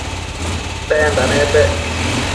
tenda napec?